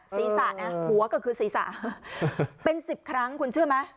สี่สาน่ะหัวก็คือศรีสาเป็นสิบครั้งคุณเชื่อไหม